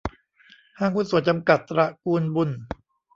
ห้างหุ้นส่วนจำกัด ตระกูลบุญ